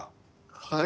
はい。